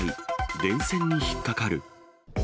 電線に引っ掛かる。